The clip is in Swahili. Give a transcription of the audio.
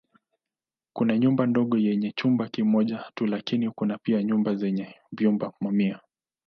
Kuna nyumba ndogo yenye chumba kimoja tu lakini kuna pia nyumba zenye vyumba mamia.